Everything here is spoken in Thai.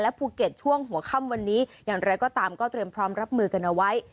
ภูเก็ตช่วงหัวค่ำวันนี้อย่างไรก็ตามก็เตรียมพร้อมรับมือกันเอาไว้